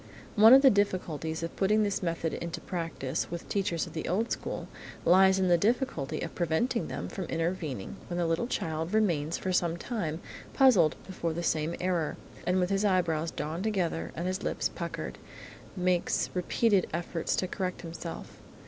One of the difficulties of putting this method into practice with teachers of the old school, lies in the difficulty of preventing them from intervening when the little child remains for some time puzzled before some error, and with his eyebrows drawn together and his lips puckered, makes repeated efforts to correct himself.